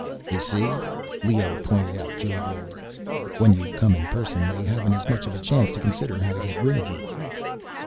"You see," Leoh pointed out jovially, "when you come in person they haven't as much of a chance to consider how to get rid of you."